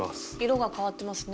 色が変わってますね。